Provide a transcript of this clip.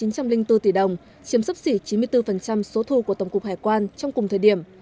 chiếm sấp xỉ chín mươi bốn số thu của tổng cục hải quan trong cùng thời điểm